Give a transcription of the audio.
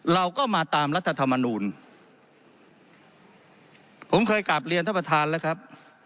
เราก็มาตามรัฐธรรมนูลผมเคยกลับเรียนท่านประธานแล้วครับ